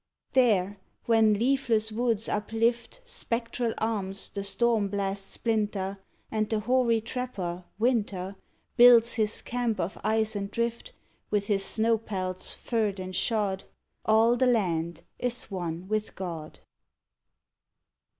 There, when leafless woods uplift Spectral arms the storm blasts splinter, And the hoary trapper, Winter, Builds his camp of ice and drift, With his snow pelts furred and shod, All the land is one with God.